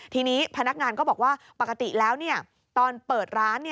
ทีนี้พนักงานก็บอกว่าปกติแล้วตอนเปิดร้าน